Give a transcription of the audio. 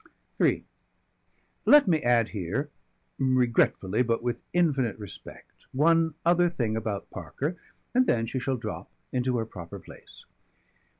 III Let me add here, regretfully but with infinite respect, one other thing about Parker, and then she shall drop into her proper place.